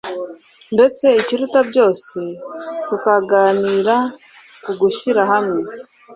ndetse ikiruta byose tukaganira ku gushyira hamwe